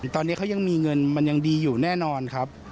ตอนนี้เขายังมีเงินมันยังดีอยู่แน่นอนครับ